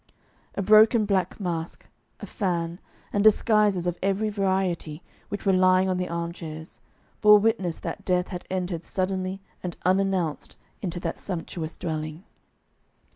A broken black mask, a fan, and disguises of every variety, which were lying on the armchairs, bore witness that death had entered suddenly and unannounced into that sumptuous dwelling.